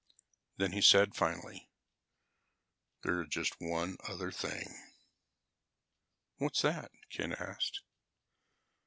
Then he said finally, "There is just one other thing." "What's that?" Ken asked.